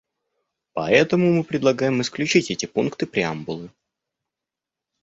Поэтому мы предлагаем исключить эти пункты преамбулы.